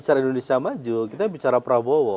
cara indonesia maju kita bicara prabowo